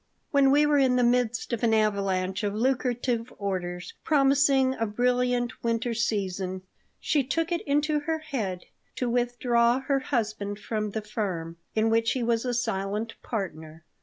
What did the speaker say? When we were in the midst of an avalanche of lucrative orders promising a brilliant winter season she took it into her head to withdraw her husband from the firm, in which he was a silent partner.